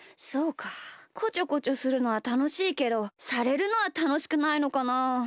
こちょこちょするのはたのしいけどされるのはたのしくないのかな。